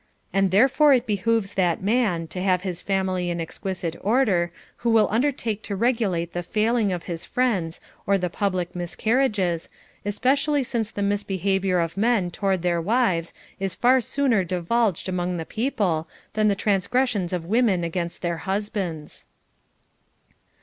And therefore it behooves that man to have his family in exquisite order who will under take to regulate the failing of his friends or the public miscarriages, especially since the misbehavior of men toward their wives is far sooner divulged among• the people than the transgressions of women against their husbands.